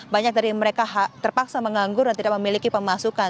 banyak dari mereka terpaksa menganggur dan tidak memiliki pemasukan